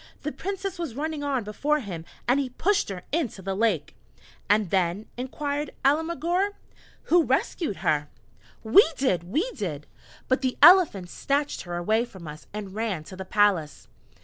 The Princess was running on before him, and he pushed her into the lake." "And then," inquired Alemguir, "who rescued her?" "We did we did: but the Elephant snatched her away from us and ran to the palace!"